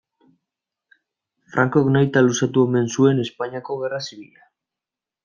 Francok nahita luzatu omen zuen Espainiako gerra zibila.